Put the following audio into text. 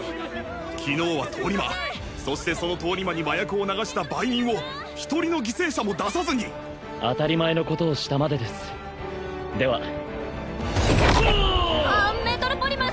昨日は通り魔そしてその通り魔に麻薬を流した売人を一人の犠牲者も出さずに当たり前のことをしたまでですではポー！